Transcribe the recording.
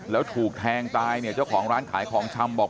แล้วถูกแทงตายเนี่ยเจ้าของร้านขายของชำบอก